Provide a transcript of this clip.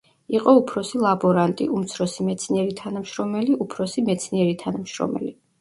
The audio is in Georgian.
იყო უფროსი ლაბორანტი, უმცროსი მეცნიერი თანამშრომელი, უფროსი მეცნიერი თანამშრომელი.